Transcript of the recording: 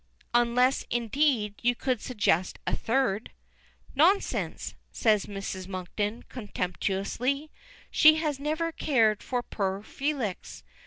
"Unless, indeed, you could suggest a third." "Nonsense!" says Mrs. Monkton, contemptuously. "She has never cared for poor Felix.